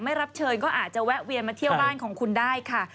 รับเชิญก็อาจจะแวะเวียนมาเที่ยวบ้านของคุณได้ค่ะ